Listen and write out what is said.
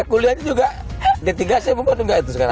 kuliahnya juga d tiga saya bubar juga itu sekarang